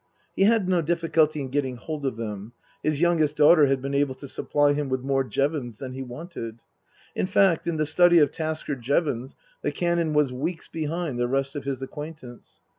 He had no difficulty in getting hold of them ; his youngest daughter had been able to supply him with more Jevons than he wanted. In fact, in the study of Tasker Jevons the Canon was weeks behind the rest of his acquaintance.